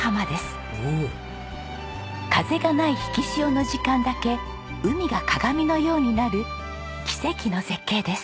風がない引き潮の時間だけ海が鏡のようになる奇跡の絶景です。